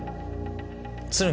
鶴見